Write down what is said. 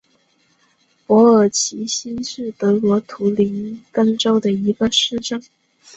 珀尔齐希是德国图林根州的一个市镇。